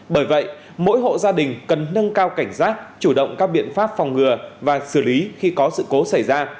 bởi vậy mỗi hộ gia đình cần nâng cao cảnh giác chủ động các biện pháp phòng ngừa và xử lý khi có sự cố xảy ra